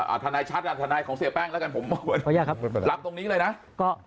อ่าทนายชัดทนายของเสียแป้งแล้วกันผมหลับตรงนี้เลยนะ